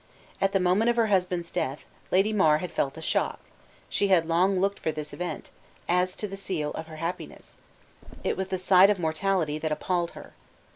At the moment of her husband's death, Lady Mar had felt a shock; she had long looked for this event, as to the seal of her happiness; it was the sight of mortality that appalled her.